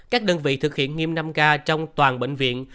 các đơn vị thực hiện nghiêm năm k trong toàn bệnh viện